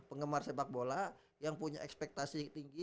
penggemar sepak bola yang punya ekspektasi tinggi